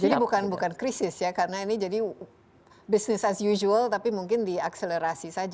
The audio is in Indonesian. jadi bukan krisis ya karena ini jadi bisnis as usual tapi mungkin diakselerasi